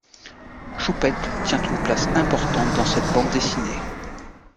Choupette tient une place importante dans cette bande dessinée.